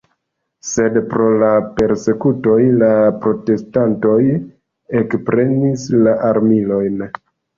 Sed, pro la persekutoj, la protestantoj ekprenis la armilojn.